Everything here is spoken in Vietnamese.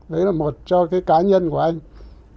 đấy là một cho cái cá nhân của anh